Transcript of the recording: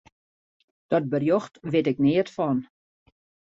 Dat berjocht wit ik neat fan.